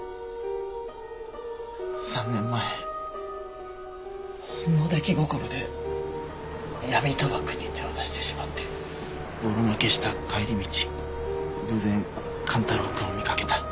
３年前ほんの出来心で闇賭博に手を出してしまってボロ負けした帰り道偶然寛太郎くんを見かけた。